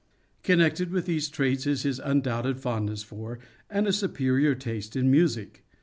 Connected with these traits is his undoubted fondness for, and a superior taste in music.